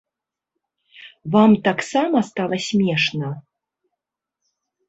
Вам таксама стала смешна?